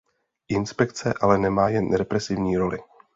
Inspekce ale nemá jen represivní roli.